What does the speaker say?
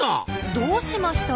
どうしました？